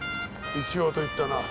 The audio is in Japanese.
一応と言ったな。